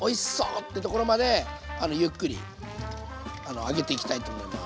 ってところまでゆっくり揚げていきたいと思います。